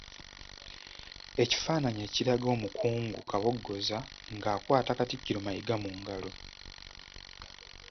Ekifaananyi ekiraga Omukungu Kabogoza nga akwata Katikkiro Mayiga mu ngalo.